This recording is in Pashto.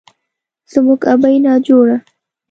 زموږ ابۍ ناجوړه،